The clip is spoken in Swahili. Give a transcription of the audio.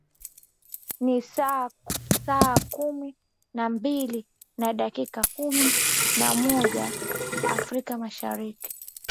ni saa kumi na mbili na dakika kumi na moja afrika mashariki